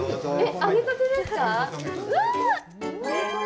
揚げたてですか？